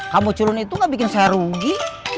kamu culun itu nggak bikin saya rugi